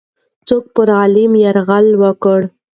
څوک پر غلیم یرغل وکړ؟